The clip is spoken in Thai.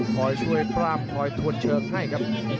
ขอช่วยปร่ำขอถวดเชิงให้ครับ